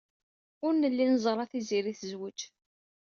Ur nelli neẓra Tiziri tezwej.